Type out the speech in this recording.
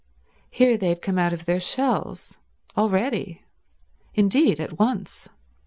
Here they had come out of their shells; already; indeed, at once.